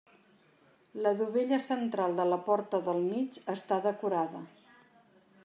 La dovella central de la porta del mig està decorada.